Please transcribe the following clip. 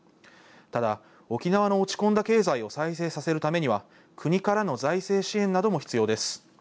ただ、沖縄の落ち込んだ経済を再生させるためには国からの財政支援なども必要です。